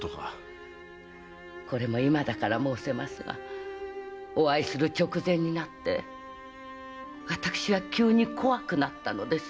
これも今だから申せますがお会いする直前になって私は急に怖くなったのです。